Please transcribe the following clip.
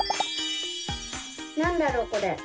なんだろうこれ？